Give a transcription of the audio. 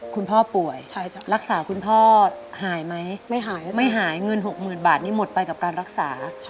คุณพ่อป่วยรักษาคุณพ่อหายไหมไม่หายไม่หายเงิน๖๐๐๐บาทนี่หมดไปกับการรักษา